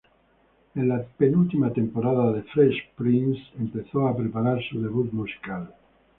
En la penúltima temporada de "Fresh Prince", empezó a preparar su debut musical.